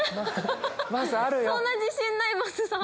そんな自信ないまっすーさん